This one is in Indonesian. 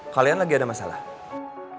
kalian lagi ada masalah